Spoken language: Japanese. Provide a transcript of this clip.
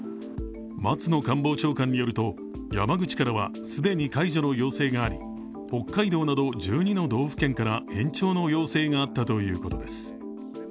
松野官房長官によると山口からは既に解除の要請があり北海道なと１２の道府県から延長の要請があったということです。